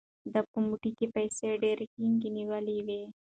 ده په موټ کې پیسې ډېرې ټینګې نیولې وې.